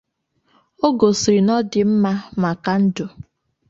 O gosiri na ọ dị mma maka ndụ.